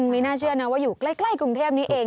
ไม่น่าเชื่อนะว่าอยู่ใกล้กรุงเทพนี้เอง